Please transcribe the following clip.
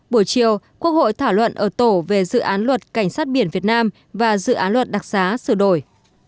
buổi chiều quốc hội thảo luận ở tổ về dự án luật cảnh sát biển việt nam và dự án luật đặc xá sửa đổi